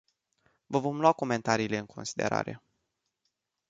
Vă vom lua comentariile în considerare.